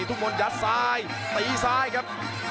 ทุกคนยัดซ้ายตีซ้ายครับ